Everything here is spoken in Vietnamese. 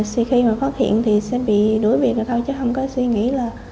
suy khi mà phát hiện thì sẽ bị đối biệt rồi thôi chứ không có suy nghĩ là